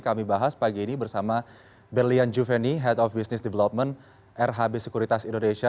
kami bahas pagi ini bersama berlian juveni head of business development rhb sekuritas indonesia